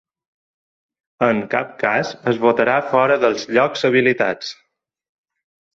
En cap cas es votarà fora dels llocs habilitats.